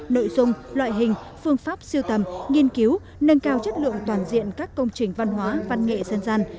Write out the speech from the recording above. nội dung loại hình phương pháp siêu tầm nghiên cứu nâng cao chất lượng toàn diện các công trình văn hóa văn nghệ dân gian